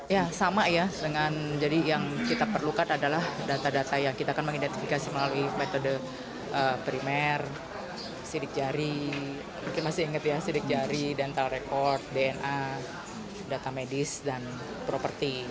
ya sama ya jadi yang kita perlukan adalah data data yang kita akan mengidentifikasi melalui metode primer sidik jari dental record dna data medis dan propertis